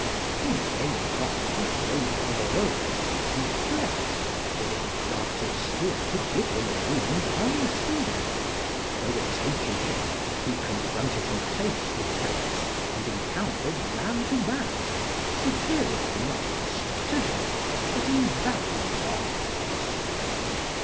["He deigned not to throw down Orodes as he fled, or with the darted spear to give him a wound unseen; but overtaking him, he confronted him face to face, and encountered man to man: superior, not in stratagem, but in valiant arms."